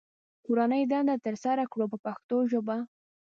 کورنۍ دنده ترسره کړو په پښتو ژبه.